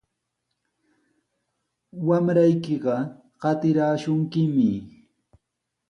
Wamraykiqa qatiraashunkimi.